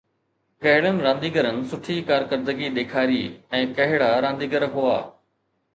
ڪهڙن رانديگرن سٺي ڪارڪردگي ڏيکاري ۽ ڪهڙا رانديگر هئا؟